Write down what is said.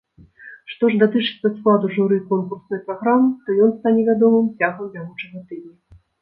Што ж датычыцца складу журы конкурснай праграмы, то ён стане вядомым цягам бягучага тыдня.